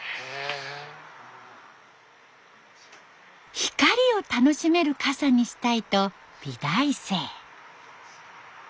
光を楽しめる傘にしたいと美大生。